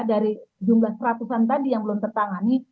dari jumlah seratusan tadi yang belum tertangani